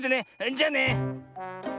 じゃあね。